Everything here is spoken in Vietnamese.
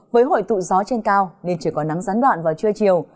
với hội tụ gió trên cao nên chỉ có nắng gián đoạn vào trưa chiều